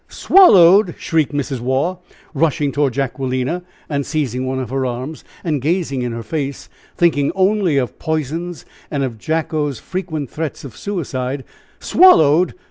swallowed!" shrieked Mrs. Waugh, rushing toward Jacquelina, and seizing one of her arms, and gazing in her face, thinking only of poisons and of Jacko's frequent threats of suicide. "Swallowed!